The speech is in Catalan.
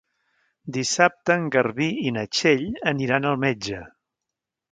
Dissabte en Garbí i na Txell aniran al metge.